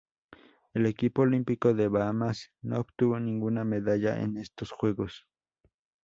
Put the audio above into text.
El equipo olímpico de Bahamas no obtuvo ninguna medalla en estos Juegos.